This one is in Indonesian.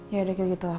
ya udah gitu gitu lah